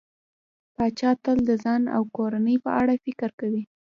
پاچا تل د ځان او کورنۍ په اړه فکر کوي.